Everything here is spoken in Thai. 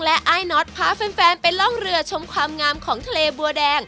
และอ้ายน็อตพาแฟนไปร่องเรือชมความงามของทะเลบัวแดง